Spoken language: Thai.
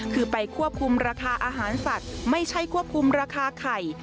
คือไปควบคุมราคาอาหารสัตว์ไม่ใช่ควบคุมราคาไข่